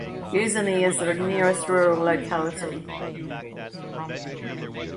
Yuzhny is the nearest rural locality.